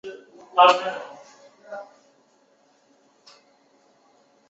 属于移调乐器。